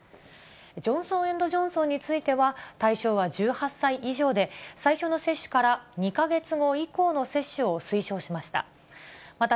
ジョンソン・エンド・ジョンソンについては、対象は１８歳以上で、最初の接種から２か月後以降の接種を推奨しました。